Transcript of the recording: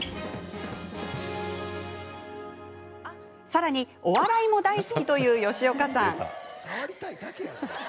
さらに、お笑いも大好きという吉岡さん。